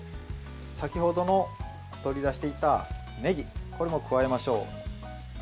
先ほどの取り出していたねぎも加えましょう。